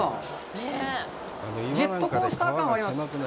ジェットコースター感はあります。